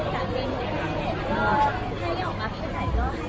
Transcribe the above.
อย่างนี้แผลพร้อม